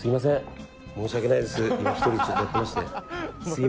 申し訳ないです。